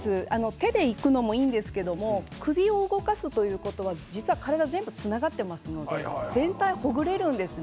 手でいくのもいいんですけど首を動かすということは体が全部つながっていますので全体がほぐれるんです。